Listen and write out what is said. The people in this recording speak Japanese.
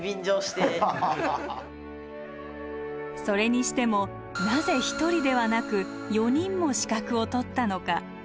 それにしてもなぜ１人ではなく４人も資格を取ったのか？